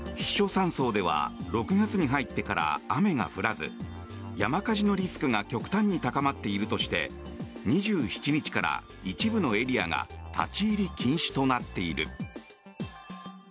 山荘では６月に入ってから雨が降らず山火事のリスクが極端に高まっているとして２７日から一部のエリアが立ち入り禁止となっている。